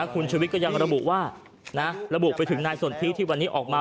คุณชุวิตก็ยังระบุว่าระบุไปถึงนายสนทิที่วันนี้ออกมา